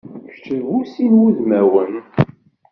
Kečč d bu sin wudmanwen.